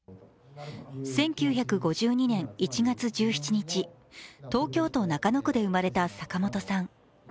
１９５２年１月１７日、東京都中野区で生まれた坂本さん。